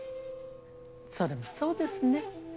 それもそうですね。